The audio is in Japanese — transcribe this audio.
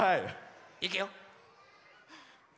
いくよ！